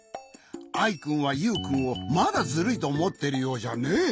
アイくんはユウくんをまだズルいとおもっているようじゃねえ。